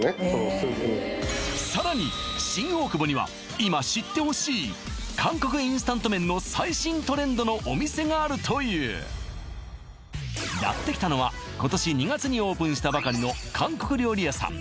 スープにさらに新大久保には今知ってほしい韓国インスタント麺の最新トレンドのお店があるというやってきたのは今年２月にオープンしたばかりの韓国料理屋さん